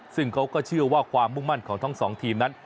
ซึ่งเขาก็เชื่อว่าความมุ่งมั่นของทั้งสองทีมนั้น